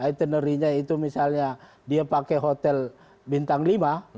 itinerinya itu misalnya dia pakai hotel bintang lima